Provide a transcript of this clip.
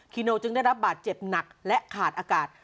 โนจึงได้รับบาดเจ็บหนักและขาดอากาศ